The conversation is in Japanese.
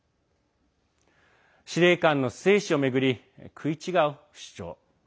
司令官の生死を巡り食い違う主張。